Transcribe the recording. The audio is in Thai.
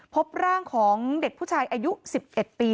พบร่างของเด็กผู้ชายอายุ๑๑ปี